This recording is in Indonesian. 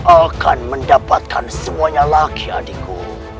akan mendapatkan semuanya laki adikku